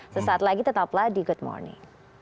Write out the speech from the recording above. sesaat lagi tetaplah di good morning